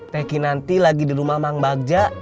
teki nanti lagi di rumah mang bagja